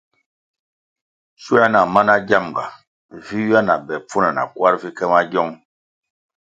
Schuer na mana giamga vi ywia na be pfuna na kwar vi ke magiong.